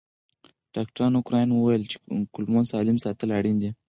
ډاکټر کراین وویل چې کولمو سالم ساتل اړین دي.